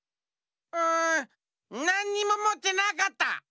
うんなんにももってなかった！